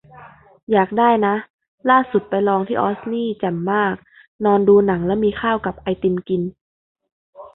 อยากได้ นะ ล่าสุดไปลองที่ออสนี่แจ่มมาก นอนดูหนังแล้วมีข้าวกับไอติมกิน